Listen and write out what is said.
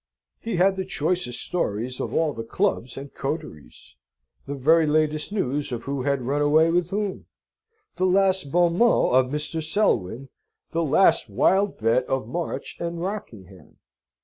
He had the choicest stories of all the clubs and coteries the very latest news of who had run away with whom the last bon mot of Mr. Selwyn the last wild bet of March and Rockingham.